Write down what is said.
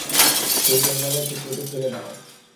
সেই জঞ্জালের টুকরোটি ফেলে দাও।